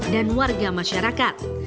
dan warga masyarakat